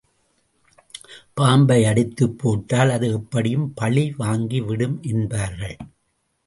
பாம்பை அடித்துப் போட்டால் அது எப்படியும் பழி வாங்கி விடும் என்பார்கள்.